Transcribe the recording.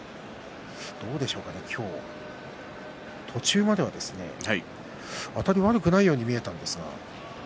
どうでしょうか今日、途中まではあたり悪くないように見えたんですけど。